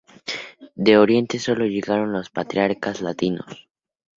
De Oriente sólo llegaron los patriarcas latinos.